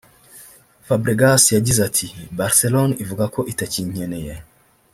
Fabregas yagize ati “Barcelona ivuze ko itakinkeneye